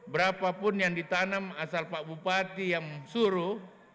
berapapun yang ditanam asal pak bupati yang suruh